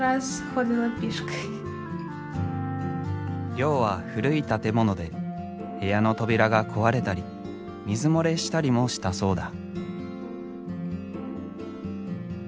寮は古い建物で部屋の扉が壊れたり水漏れしたりもしたそうだ。